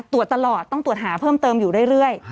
ตรวจตลอดต้องตรวจหาเพิ่มเติมอยู่เรื่อย